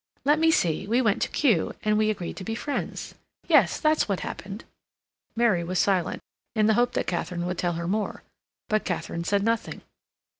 "Let me see; we went to Kew, and we agreed to be friends. Yes, that's what happened." Mary was silent, in the hope that Katharine would tell her more. But Katharine said nothing.